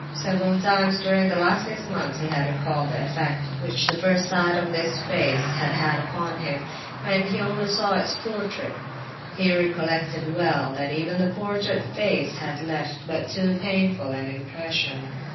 Several times during the last six months he had recalled the effect which the first sight of this face had had upon him, when he only saw its portrait. He recollected well that even the portrait face had left but too painful an impression.